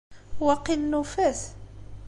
Waqil nufa-t.